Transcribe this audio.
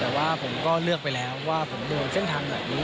แต่ว่าผมก็เลือกไปแล้วว่าผมเดินเส้นทางแบบนี้